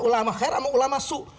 ulama khair sama ulama suh